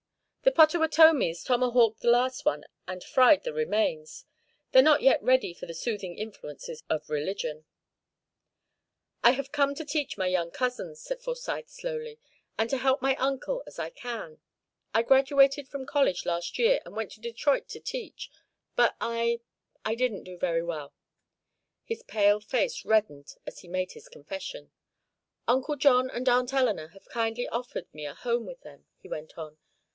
The Pottawattomies tomahawked the last one and fried the remains. They're not yet ready for the soothing influences of religion." "I have come to teach my young cousins," said Forsyth, slowly, "and to help my uncle as I can. I graduated from college last year, and went to Detroit to teach, but I I didn't do very well." His pale face reddened as he made his confession. "Uncle John and Aunt Eleanor have kindly offered me a home with them," he went on.